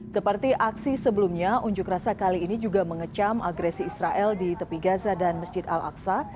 seperti aksi sebelumnya unjuk rasa kali ini juga mengecam agresi israel di tepi gaza dan masjid al aqsa